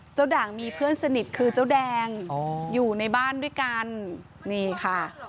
ด่างมีเพื่อนสนิทคือเจ้าแดงอยู่ในบ้านด้วยกันนี่ค่ะ